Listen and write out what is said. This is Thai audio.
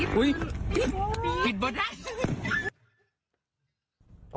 คิดเบอร์เด็ก